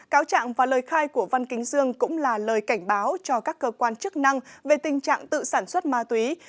cáo trạng và lời khai của văn kính dương cũng là lời cảnh báo cho các cơ quan chức năng về tình trạng tự sản xuất ma túy